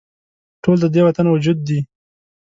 ټول د دې وطن وجود دي